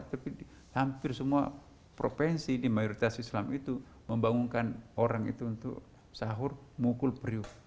tapi hampir semua provinsi di mayoritas islam itu membangunkan orang itu untuk sahur mukul periuf